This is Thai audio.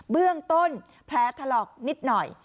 เบื้องต้นแผลถลอกนิดหน่อย